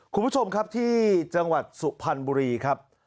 คุณผู้ชมครับที่จังหวัดสุพรรณบุรีครับ